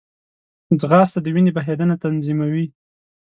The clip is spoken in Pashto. ځغاسته د وینې بهېدنه تنظیموي